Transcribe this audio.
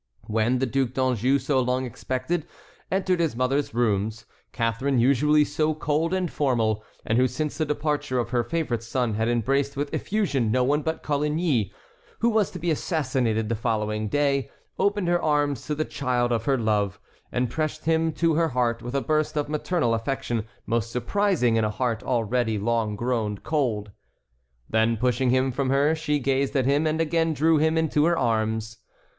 When the Duc d'Anjou, so long expected, entered his mother's rooms, Catharine, usually so cold and formal, and who since the departure of her favorite son had embraced with effusion no one but Coligny, who was to be assassinated the following day, opened her arms to the child of her love, and pressed him to her heart with a burst of maternal affection most surprising in a heart already long grown cold. Then pushing him from her she gazed at him and again drew him into her arms.